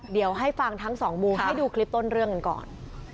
เดี๋ยวให้ฟังทั้งสองมุมให้ดูคลิปต้นเรื่องกันก่อน